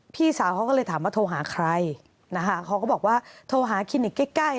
พี่สาวเขาก็เลยถามว่าโทรหาใครนะคะเขาก็บอกว่าโทรหาคลินิกใกล้ใกล้